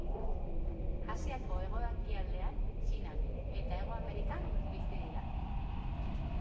Asiako hego-ekialdean, Txinan eta Hego Amerikan bizi dira.